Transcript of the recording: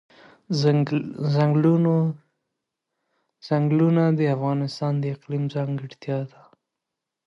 ځنګلونه د افغانستان د اقلیم ځانګړتیا ده.